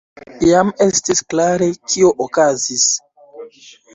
Jam estis klare, kio okazis.